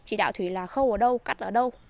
chỉ đạo thủy là khâu ở đâu cắt ở đâu